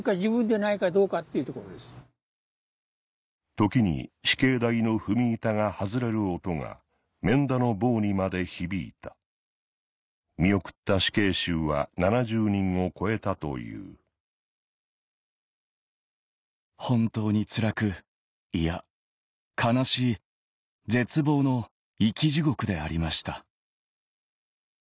時に死刑台の踏み板が外れる音が免田の房にまで響いた「本当につらくいや悲しい絶望の生き地獄でありました」